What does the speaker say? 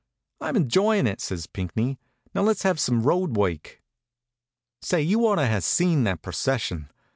"I am enjoying it," says Pinckney. "Now let's have some road work." Say, you ought to have seen that procession.